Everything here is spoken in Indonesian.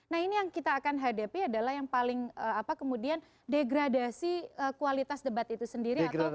nah ini yang kita akan hadapi adalah yang paling apa kemudian degradasi kualitas debat itu sendiri atau